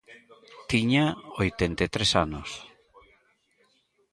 Tiña oitenta e tres anos.